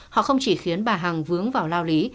họ không chỉ khiến bà hằng vướng vào lao lý